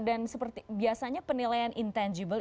dan biasanya penilaian intangible